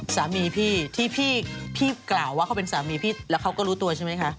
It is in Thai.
สามีพี่ที่พี่กล่าวว่าเขาเป็นสามีพี่แล้วเขาก็รู้ตัวใช่ไหมคะ